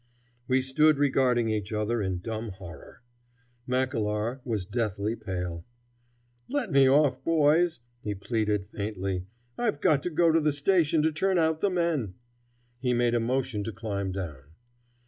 '" We stood regarding each other in dumb horror. Mackellar was deathly pale. "Let me off, boys," he pleaded faintly. "I've got to go to the station to turn out the men." He made a motion to climb down.